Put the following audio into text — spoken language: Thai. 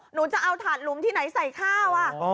หนูจะเอาถาดหลุมที่ไหนใส่ข้าว